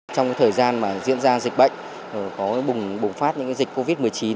trong thời gian diễn ra dịch bệnh bùng phát dịch covid một mươi chín